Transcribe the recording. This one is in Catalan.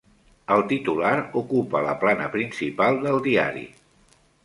El titular ocupa la plana principal del diari.